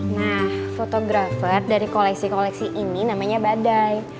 nah fotografer dari koleksi koleksi ini namanya badai